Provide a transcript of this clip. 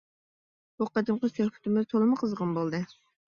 بۇ قېتىمقى سۆھبىتىمىز تولىمۇ قىزغىن بولدى.